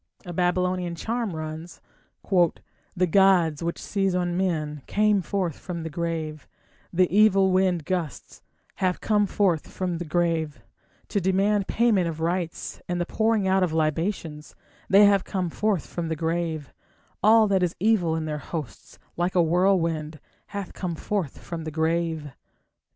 A Babylonian charm runs: The gods which seize on men Came forth from the grave; The evil wind gusts Have come forth from the grave, To demand payment of rites and the pouring out of libations They have come forth from the grave; All that is evil in their hosts, like a whirlwind, Hath come forth from the grave.